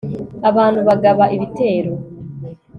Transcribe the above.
abantu bagaba ibitero